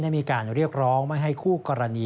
มีการเรียกร้องไม่ให้คู่กรณี